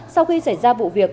sau khi xảy ra vụ việc